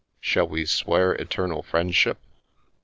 "Shall we swear eternal friendship